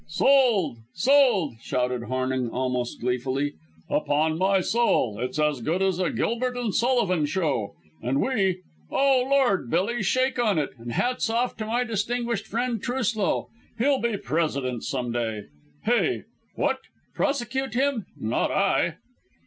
"Sold! Sold!" shouted Hornung almost gleefully. "Upon my soul it's as good as a Gilbert and Sullivan show. And we Oh, Lord! Billy, shake on it, and hats off to my distinguished friend, Truslow. He'll be President some day. Hey! What? Prosecute him? Not I."